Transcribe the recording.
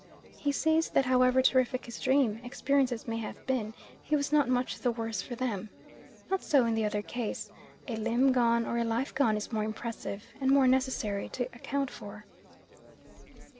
He sees that however terrific his dream experiences may have been, he was not much the worse for them. Not so in the other case, a limb gone or a life gone is more impressive, and more necessary to account for.